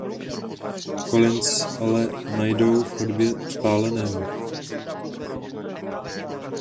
Collinse ale najdou v chodbě spáleného.